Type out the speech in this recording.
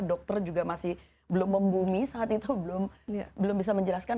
dokter juga masih belum membumi saat itu belum bisa menjelaskan